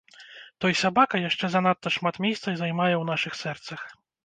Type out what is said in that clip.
Той сабака яшчэ занадта шмат месца займае ў нашых сэрцах.